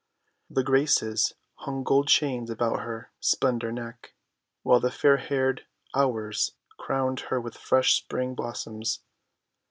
The Graces hung gold chains about her slender neck, while the fair haired Hours crowned her with fresh Spring blossoms.